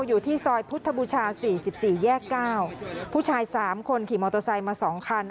อยู่ที่ซอยพุทธบูชาสี่สิบสี่แยกเก้าผู้ชายสามคนขี่มอเตอร์ไซค์มาสองคัน